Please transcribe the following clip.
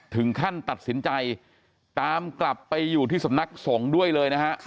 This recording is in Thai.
ถึงขั้นตัดสินใจตามกลับไปอยู่ที่สำนักสงฆ์ด้วยเลยนะฮะ